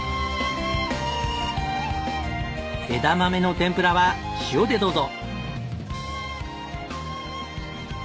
枝豆の天ぷらは塩でどうぞ。